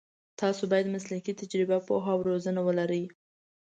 تاسو باید مسلکي تجربه، پوهه او روزنه ولرئ.